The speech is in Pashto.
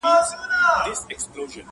سړي وویل زما هغه ورځ یادیږي -